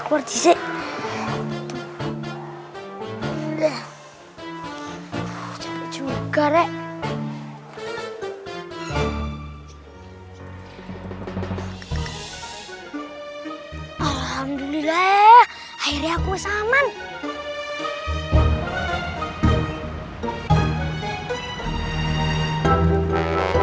ngerti sih juga rek alhamdulillah akhirnya aku sama sama